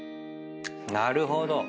なるほど。